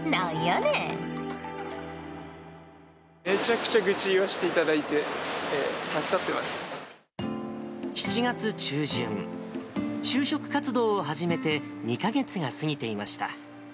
めちゃくちゃ愚痴言わせてい７月中旬、就職活動を始めて２か月が過ぎていました。